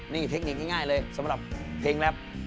นี่เทคนิคง่ายเลยสำหรับเพลงแรป